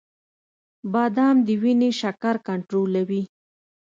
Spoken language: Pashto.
• بادام د وینې شکر کنټرولوي.